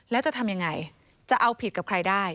แล้วจะทำยังไงจะเอาผิดกับใครได้